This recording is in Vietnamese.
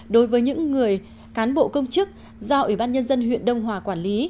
đối với những người cán bộ công chức do ủy ban nhân dân huyện đông hòa quản lý